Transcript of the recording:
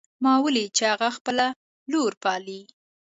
ما ولیدل چې هغه خپله لور پالي